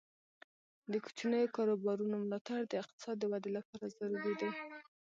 د کوچنیو کاروبارونو ملاتړ د اقتصاد د ودې لپاره ضروري دی.